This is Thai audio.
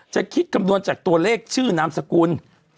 จะคิดคำนวณจากตัวเลขชื่อนามสกุล